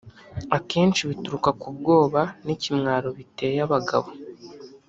akenshi bituruka ku bwoba n’ikimwaro biteye abagabo